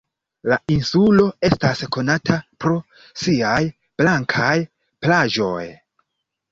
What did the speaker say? La insulo estas konata pro siaj blankaj plaĝoj.